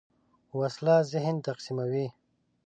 وسله ذهن تقسیموي